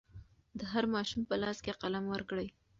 د هر ماشوم په لاس کې قلم ورکړئ.